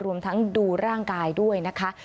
รวมทั้งดูร่างกายด้วยนะคะ